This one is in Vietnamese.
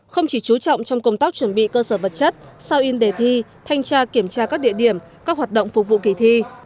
không chỉ chú trọng trong công tác chuẩn bị cơ sở vật chất sao in đề thi thanh tra kiểm tra các địa điểm các hoạt động phục vụ kỳ thi